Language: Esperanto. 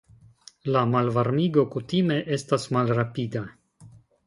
La malvarmigo kutime estas malrapida.